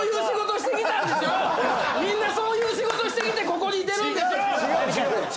みんなそういう仕事してきてここにいてるんでしょ！